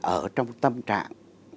ở trong tâm trạng